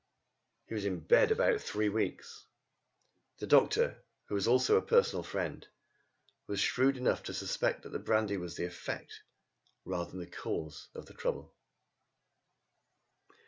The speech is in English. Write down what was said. He was in bed about three weeks. The doctor, who was also a personal friend, was shrewd enough to suspect that the brandy was the effect, rather than the cause of the nerve trouble.